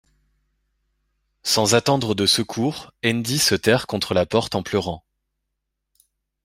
Sans attendre de secours, Andy se terre contre la porte en pleurant.